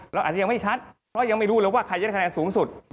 เราอาจจะยังไม่ชัดเพราะยังไม่รู้เลยว่าใครจะได้คะแนนสูงสุด